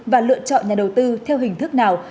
và lựa chọn nhà đầu tư theo hình thức nào